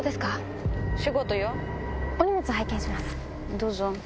どうぞ。